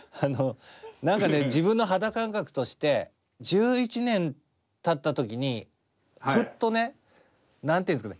何かね自分の肌感覚として１１年たった時にふっとね何て言うんですかね。